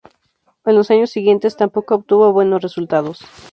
En los años siguientes tampoco obtuvo buenos resultados.